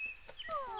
うん？